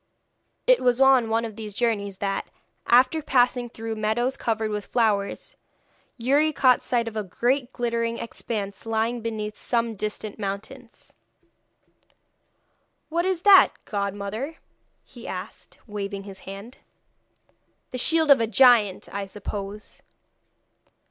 It was on one of these journeys that, after passing through meadows covered with flowers, Youri caught sight of a great glittering expanse lying beneath some distant mountains. 'What is that, godmother?' he asked, waving his hand. 'The shield of a giant, I suppose.'